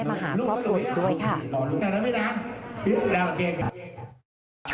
ต่อลูกหน้าแล้วไม่ได้แล้วโอเค